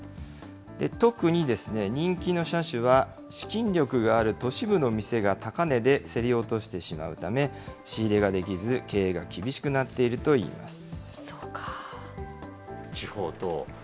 特にですね、人気の車種は資金力がある都市部の店が高値で競り落としてしまうため、仕入れができず、経営が厳しくなっているといいます。